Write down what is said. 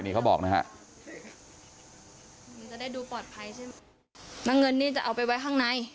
นี่เขาบอกนะฮะ